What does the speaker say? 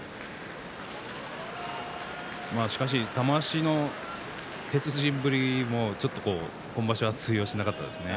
しかし玉鷲の鉄人ぶりも今場所は通用しなかったですね。